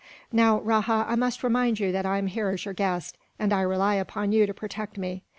"Now, Rajah, I must remind you that I am here as your guest, and I rely upon you to protect me.